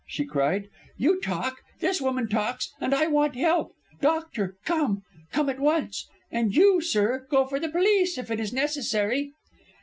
she cried. "You talk, this woman talks, and I want help. Doctor, come! Come at once! And you, sir, go for the police if it is necessary."